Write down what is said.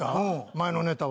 前のネタは？